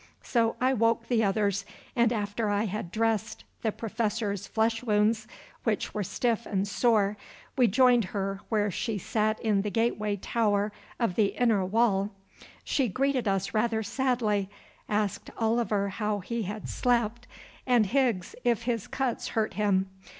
So I woke the others, and after I had dressed the Professor's flesh wounds, which were stiff and sore, we joined her where she sat in the gateway tower of the inner wall. She greeted us rather sadly, asked Oliver how he had slept and Higgs if his cuts hurt him.